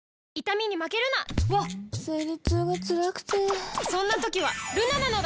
わっ生理痛がつらくてそんな時はルナなのだ！